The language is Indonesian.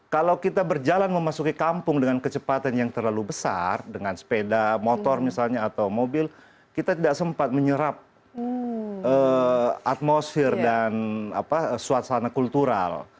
kalau kita berjalan memasuki kampung dengan kecepatan yang terlalu besar dengan sepeda motor misalnya atau mobil kita tidak sempat menyerap atmosfer dan suasana kultural